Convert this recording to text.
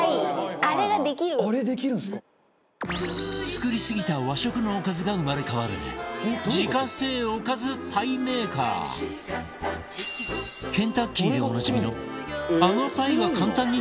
作りすぎた和食のおかずが生まれ変わる自家製おかずパイメーカーケンタッキーでおなじみのあのパイが簡単にできると話題